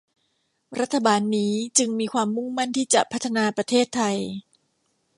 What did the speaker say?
รัฐบาลนี้จึงมีความมุ่งมั่นที่จะพัฒนาประเทศไทย